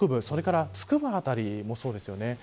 それからつくば辺りもそうですね。